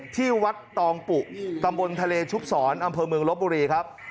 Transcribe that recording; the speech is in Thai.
ที่วัดตองปุตำบลทะเลชุบศรอำเภอเมืองลบบุรีครับ